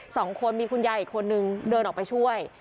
สองคนมีคุณยายอีกคนนึงเดินออกไปช่วย